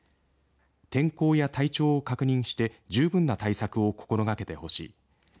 天候や体調を確認して十分な対策を心がけてほしい。